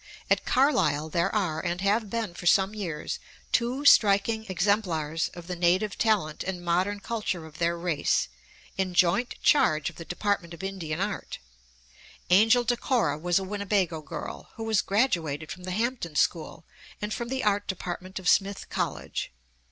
At Carlisle there are and have been for some years two striking exemplars of the native talent and modern culture of their race, in joint charge of the department of Indian art. Angel DeCora was a Winnebago girl, who was graduated from the Hampton school and from the art department of Smith College.